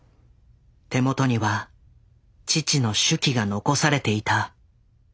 手元には父の手記が残されていた。